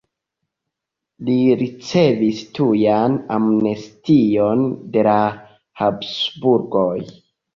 Li ricevis tujan amnestion de la Habsburgoj.